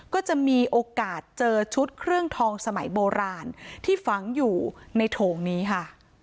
ก็จะมีโอกาสเจอชุดเครื่องทองสมัยโบราณที่ฝังอยู่ในโถงนี้ค่ะ